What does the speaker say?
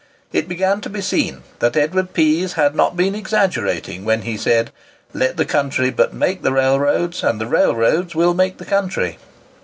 It began to be seen that Edward Pease had not been exaggerating when he said, "Let the country but make the railroads, and the railroads will make the country!"